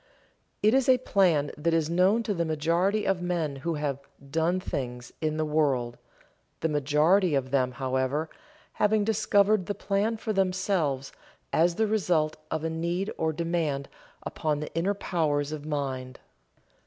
It is a plan that is known to the majority of men who have "done things" in the world, the majority of them, however, having discovered the plan for themselves as the result of a need or demand upon the inner powers of mind.